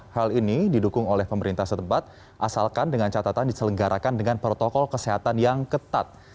hal ini didukung oleh pemerintah setempat asalkan dengan catatan diselenggarakan dengan protokol kesehatan yang ketat